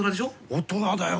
大人だよ。